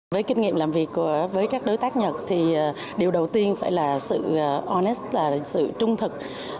với kinh nghiệm làm việc với các đối tác nhật điều đầu tiên phải là sự honest sự trung thực